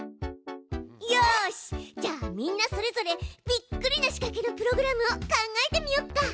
よしじゃあみんなそれぞれびっくりな仕かけのプログラムを考えてみよっか。